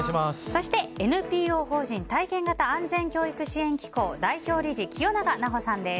そして、ＮＰＯ法人体験型安全教育支援機構代表理事清永奈穂さんです。